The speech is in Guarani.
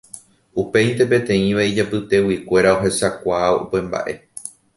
Upéinte peteĩva ijapyteguikuéra ohechakuaa upe mba'e.